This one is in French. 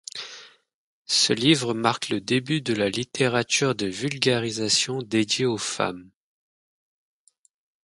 Ce livre marque le début de la littérature de vulgarisation dédiée aux femmes.